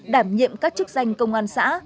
đảm nhiệm các chức danh công an xã